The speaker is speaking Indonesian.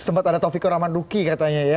sempat ada taufikur rahman ruhi katanya ya